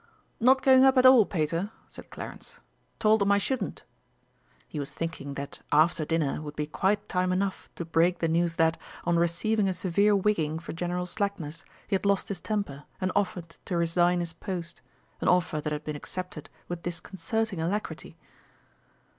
"Not going up at all, Pater," said Clarence. "Told them I shouldn't." He was thinking that after dinner would be quite time enough to break the news that, on receiving a severe wigging for general slackness, he had lost his temper, and offered to resign his post an offer that had been accepted with disconcerting alacrity.